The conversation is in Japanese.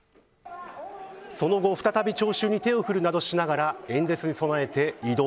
その後、再び聴衆に手を振るなどしながら演説に備えて移動。